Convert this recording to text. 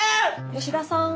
吉田さん。